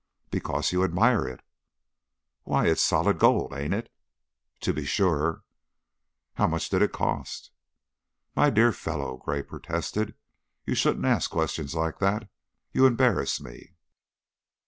"Because you admire it." "Why it's solid gold, ain't it?" "To be sure." "How much d'it cost?" "My dear fellow," Gray protested, "you shouldn't ask questions like that. You embarrass me."